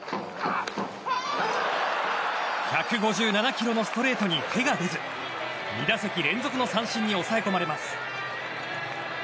１５７キロのストレートに手が出ず２打席連続の三振に抑え込まれます。